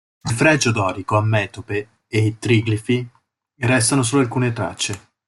Del fregio dorico a metope e triglifi restano solo alcune tracce.